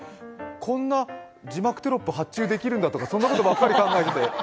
こんな字幕テロップ発注できるんだとかそんなことばっかり考えて。